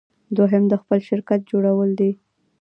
دوهم د خپل شرکت جوړول دي.